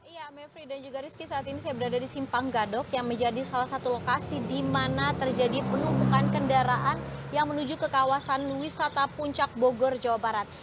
ya mevri dan juga rizky saat ini saya berada di simpang gadok yang menjadi salah satu lokasi di mana terjadi penumpukan kendaraan yang menuju ke kawasan wisata puncak bogor jawa barat